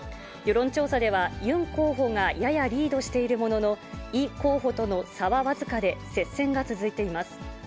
世論調査では、ユン候補がややリードしているものの、イ候補との差は僅かで、接戦が続いています。